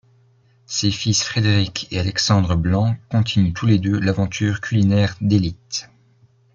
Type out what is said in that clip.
Ses fils Frédéric et Alexandre Blanc continuent tous les deux l'aventure culinaire d'élite.